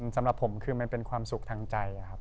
สำหรับผมคือมันเป็นความสุขทางใจครับ